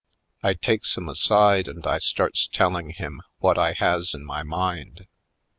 I takes him aside and I starts telling him what I has in my mind.